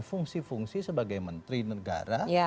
fungsi fungsi sebagai menteri negara